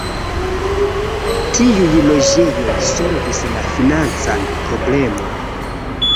Tiuj loĝejoj solvis la financan problemon.